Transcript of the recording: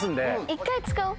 １回使おう。